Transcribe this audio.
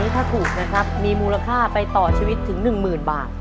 ถ้าถูกนะครับมีมูลค่าไปต่อชีวิตถึง๑๐๐๐บาท